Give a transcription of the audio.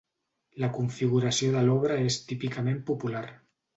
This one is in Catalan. La configuració de l'obra és típicament popular.